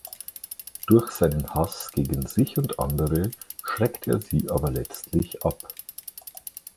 Durch seinen Hass gegen sich und andere schreckt er sie aber letztlich ab.